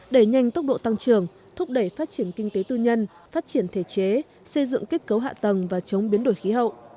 đẩy nhanh tốc độ tăng trưởng thúc đẩy phát triển kinh tế tư nhân phát triển thể chế xây dựng kết cấu hạ tầng và chống biến đổi khí hậu